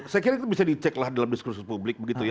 saya kira itu bisa dicek lah dalam diskursus publik begitu ya